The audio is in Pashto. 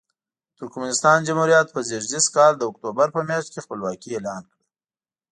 د ترکمنستان جمهوریت په زېږدیز کال د اکتوبر په میاشت کې خپلواکي اعلان کړه.